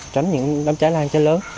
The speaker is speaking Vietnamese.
tránh những đám cháy lan cháy lớn